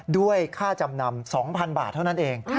ด้วยค่าจำนำ๒๐๐๐บาทเท่านั้นเอง